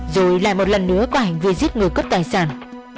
rồi lại một lần nữa có hành vi giết người cướp tài sản